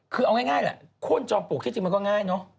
คือเอาง่ายแหละโค้นจอมปลวกที่จริงมันก็ง่ายเนอะ